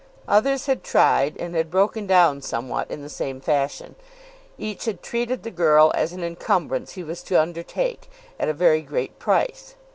Others had tried and had broken down somewhat in the same fashion. Each had treated the girl as an encumbrance he was to undertake, at a very great price.